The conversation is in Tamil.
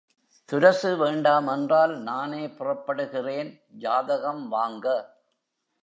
துரசு வேண்டாமென்றால் நானே புறப்படுகிறேன், ஜாதகம் வாங்க.